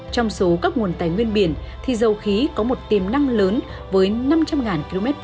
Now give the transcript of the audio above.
trong số các nguồn tài nguyên biển thì dầu khí có một tiềm năng lớn với năm trăm linh km hai